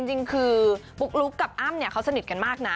จริงคือปุ๊กลุ๊กกับอ้ำเนี่ยเขาสนิทกันมากนะ